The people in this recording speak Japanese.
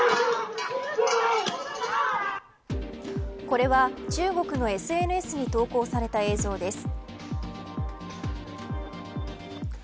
これは中国のＳＮＳに投稿された映像です。